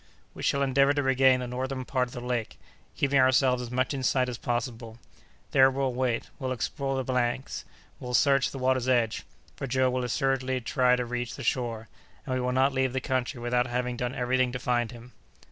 "We shall endeavor to regain the northern part of the lake, keeping ourselves as much in sight as possible. There we'll wait; we'll explore the banks; we'll search the water's edge, for Joe will assuredly try to reach the shore; and we will not leave the country without having done every thing to find him."